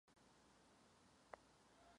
Některým dokonce hrozí ukamenováním.